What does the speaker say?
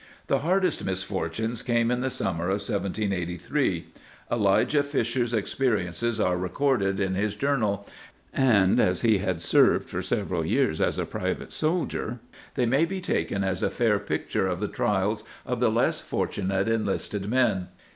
The hardest misfortunes came in the summer of 1 783. Elijah Fisher's experiences are recorded in his journal, and as he had served for several years as a private soldier they may be taken as a fair pict ure of the trials of the less fortunate enlisted men.